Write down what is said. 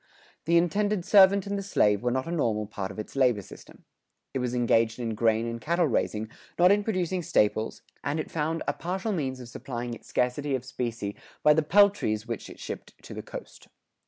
The indented servant and the slave were not a normal part of its labor system. It was engaged in grain and cattle raising, not in producing staples, and it found a partial means of supplying its scarcity of specie by the peltries which it shipped to the coast.